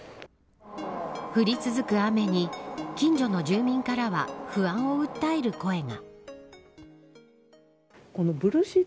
降り続く雨に近所の住民からは不安を訴える声が。